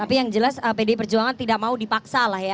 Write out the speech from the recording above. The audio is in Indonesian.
tapi yang jelas pdi perjuangan tidak mau dipaksa lah ya